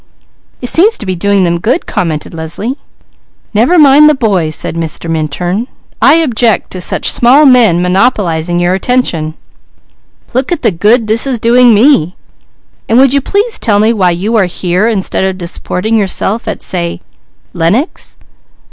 '" "It seems to be doing them good," commented Leslie. "Never mind the boys," said Mr. Minturn. "I object to such small men monopolizing your attention. Look at the 'good' this is doing me. And would you please tell me why you are here, instead of disporting yourself at, say Lenox?"